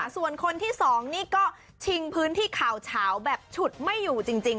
ส่วนคนที่๒นี่ก็ชิงพื้นที่ข่าวเฉาแบบฉุดไม่อยู่จริง